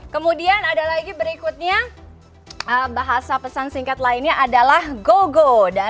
kemudian ada lagi berikutnya bahasa pesan singkat lainnya adalah gogo